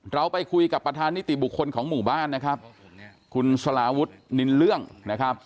เราไปคุยกับประธานนิติบุคคลของหมู่บ้านนะครับคุณสลาวุฒินินเรื่องนะครับ